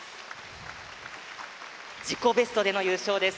自己ベストでの優勝です。